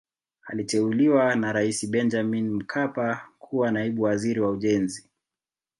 aliteuliwa na raisi benjamin mkapa kuwa naibu waziri wa ujenzi